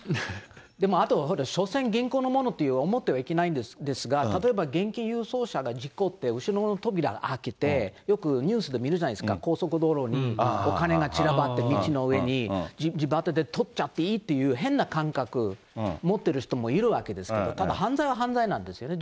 でもあと、しょせん銀行のものって思ってはいけないんですが、例えば現金輸送車が事故って、後ろの扉開けて、よくニュースで見るじゃないですか、高速道路にお金が散らばって、道の上に、あとでとっちゃっていいっていう、変な感覚持ってる人もいるわけですけど、犯罪は犯罪なんですよね。